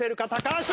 橋。